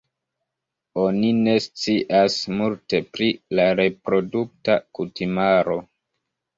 Oni ne scias multe pri la reprodukta kutimaro.